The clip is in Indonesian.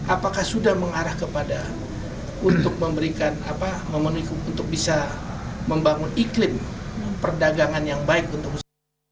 apakah sudah mengarah kepada untuk bisa membangun iklim perdagangan yang baik untuk usaha